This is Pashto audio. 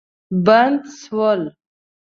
بند سول.